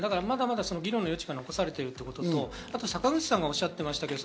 まだまだ議論の余地が残されているということと坂口さんがおっしゃっていました